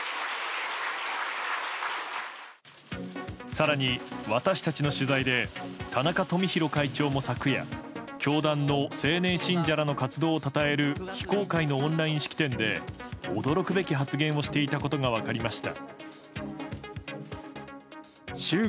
更に私たちの取材で田中富広会長も昨夜教団の青年信者らの活動をたたえる非公開のオンライン式典で驚くべき発言をしていたことが分かりました。